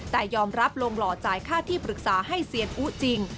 แต่ยอมรับลงหล่อจ่ายค่าที่ปรึกษาให้เซียนอุจริง